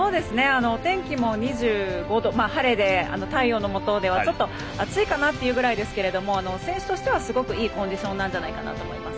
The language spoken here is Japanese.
天気も晴れで太陽のもとではちょっと暑いかなというくらいですが選手としては、すごくいいコンディションだと思います。